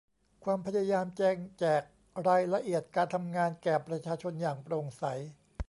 ความพยายามแจงแจกรายละเอียดการทำงานแก่ประชาชนอย่างโปร่งใส